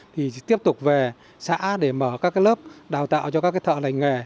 thì tiếp tục về xã để mở các lớp đào tạo cho các thợ lành nghề